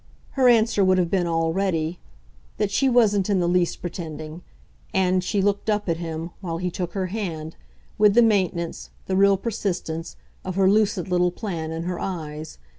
Her answer would have been all ready that she wasn't in the least pretending; and she looked up at him, while he took her hand, with the maintenance, the real persistence, of her lucid little plan in her eyes.